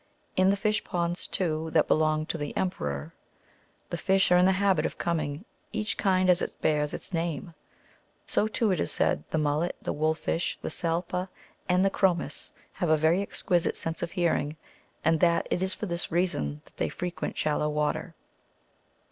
In the fish ponds, too, that belong to the Emperor, the fish are in the habit of coming, each kind as it bears its name.^^ So too, it is said, the mullet, the wolf fish, the salpa, and the chromis, have a very exquisite sense of hearing, and that it is for this reason that they frequent shallow water.